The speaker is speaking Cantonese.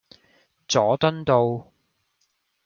佐敦道